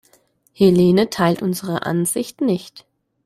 Helene teilt unsere Ansicht nicht.